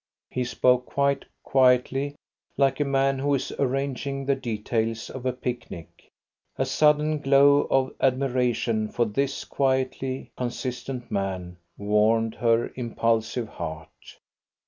He spoke quite quietly, like a man who is arranging the details of a picnic. A sudden glow of admiration for this quietly consistent man warmed her impulsive heart.